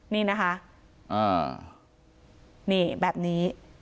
นี่นะคะนี่แบบนี้